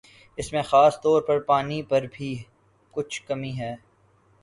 اس میں خاص طور پر پانی پر بھی کچھ کمی ہے